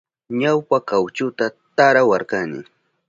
Ñawpa kawchuta tarawarkani.